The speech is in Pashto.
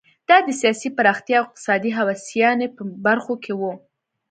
دا د سیاسي پراختیا او اقتصادي هوساینې په برخو کې و.